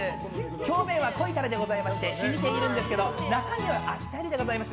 表面は濃いタレでございまして染みているんですが中身はあっさりでございます。